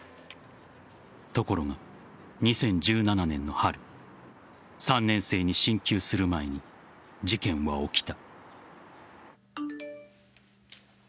ところが２０１７年の春３年生に進級する前に事件は起きた。